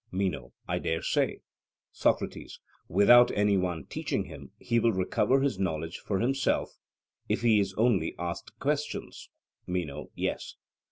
MENO: I dare say. SOCRATES: Without any one teaching him he will recover his knowledge for himself, if he is only asked questions? MENO: Yes.